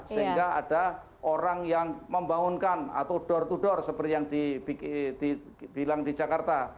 sehingga ada orang yang membangunkan atau door to door seperti yang dibilang di jakarta